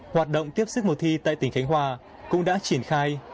hoạt động tiếp sức mùa thi tại tỉnh khánh hòa cũng đã triển khai